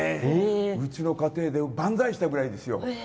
うちの家庭で万歳したぐらいです。